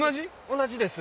同じです。